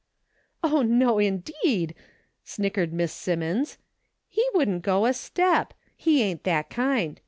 " Oh, no indeed !" snickered Miss Simmons, " he wouldn't go a step. He ain't that kind.